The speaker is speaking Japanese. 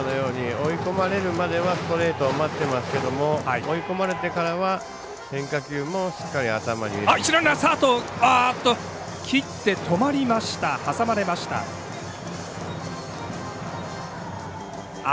追い込まれるまではストレートを待ってますけれども追い込まれてからは変化球も、しっかり一塁ランナー挟まれました。